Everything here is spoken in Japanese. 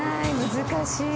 難しい。